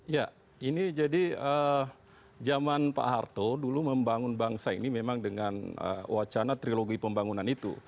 ya ini jadi zaman pak harto dulu membangun bangsa ini memang dengan wacana trilogi pembangunan itu